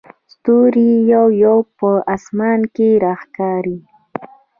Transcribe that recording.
ستوري یو یو په اسمان کې راښکاري.